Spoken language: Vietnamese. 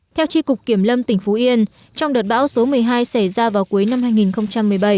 theo tri cục kiểm lâm tỉnh phú yên trong đợt bão số một mươi hai xảy ra vào cuối năm hai nghìn một mươi bảy